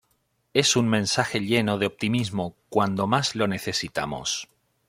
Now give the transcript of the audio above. Es un mensaje lleno de optimismo cuando más lo necesitamos".